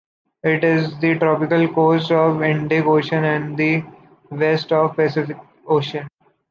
It is in the tropical coasts of the Indic Ocean and the west of the Pacific Ocean.